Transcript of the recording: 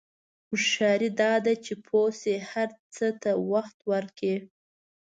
هوښیاري دا ده چې پوه شې هر څه ته وخت ورکړې.